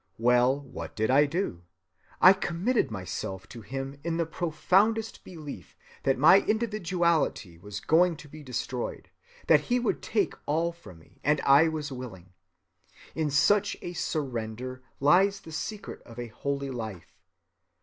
Well, what did I do? I committed myself to him in the profoundest belief that my individuality was going to be destroyed, that he would take all from me, and I was willing. In such a surrender lies the secret of a holy life.